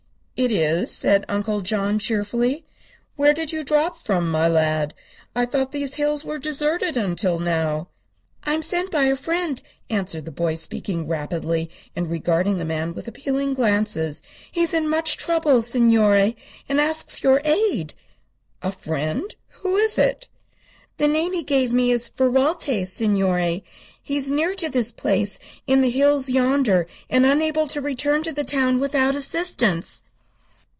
"It is," said Uncle John, cheerfully. "Where did you drop from, my lad? I thought these hills were deserted, until now." "I am sent by a friend," answered the boy, speaking rapidly and regarding the man with appealing glances. "He is in much trouble, signore, and asks your aid." "A friend? Who is it?" "The name he gave me is Ferralti, signore. He is near to this place, in the hills yonder, and unable to return to the town without assistance."